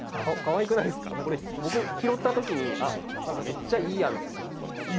これ僕拾った時にあっ何かめっちゃいいやんってなったんですけど。